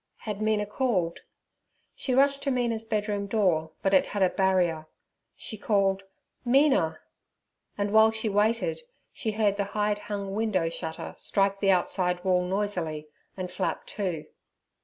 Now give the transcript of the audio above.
Had Mina called? She rushed to Mina's bedroom door, but it had a barrier. She called 'Mina!' and while she waited she heard the hide hung window shutter strike the outside wall noisily and flap to.